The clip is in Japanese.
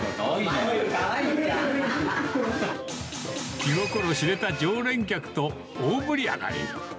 気心知れた常連客と大盛り上がり。